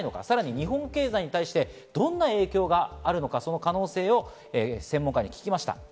日本経済に対してどんな影響があるのか、その可能性を専門家に聞きました。